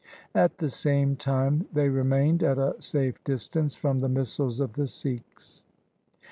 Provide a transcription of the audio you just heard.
At the same time they remained at a safe distance from the missiles of the Sikhs.